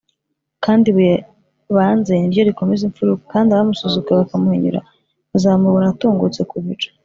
Kandi ibuye banze niryo rikomeza impfuruka, kandi abamusuzuguye bakamuhinyura bazamubona atungutse ku bicu.